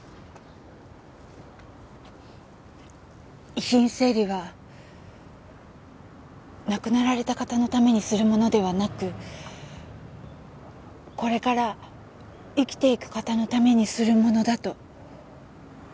遺品整理は亡くなられた方のためにするものではなくこれから生きていく方のためにするものだと思っています。